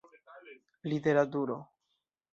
literaturo